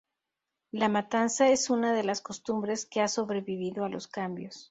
La matanza es una de las costumbres que ha sobrevivido a los cambios.